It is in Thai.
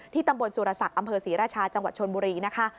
ตำบลสุรศักดิ์อำเภอศรีราชาจังหวัดชนบุรีนะคะ